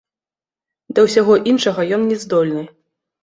Да ўсяго іншага ён не здольны.